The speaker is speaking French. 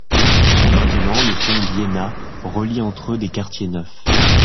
Maintenant le pont d'Iéna relie entre eux des quartiers neufs.